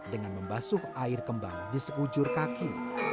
dengan membasuh air kembang di sekujur kaki